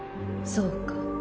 そうか。